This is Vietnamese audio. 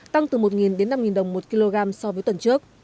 tăng từ một đến năm đồng một kg so với tuần trước